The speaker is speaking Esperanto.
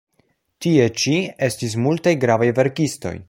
Tie ĉi estis multaj gravaj verkistoj.